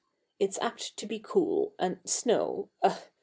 It's apt to be cool, and snow Ugh!